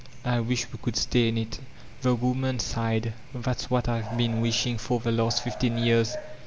I wish we could stay m it The woman sighed : ''That's what I have been wishing for the last fifteen years."